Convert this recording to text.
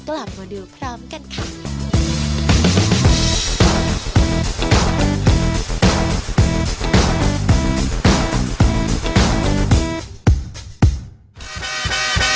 โคลาอีกที่หนึ่งโคลาอีกที่หนึ่งโค